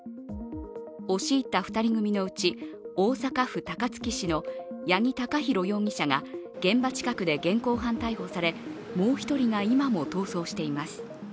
押し入った２人組のうち大阪府高槻市の八木貴寛容疑者が現場近くで現行犯逮捕されもう１人が今も逃走しています。